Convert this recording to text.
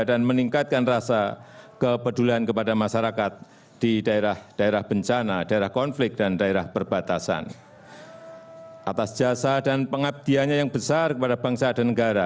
dan meningkatkan rasa kepedulian kepada masyarakat